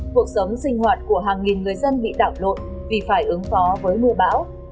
cuộc sống sinh hoạt của hàng nghìn người dân bị đảo lộn vì phải ứng phó với mưa bão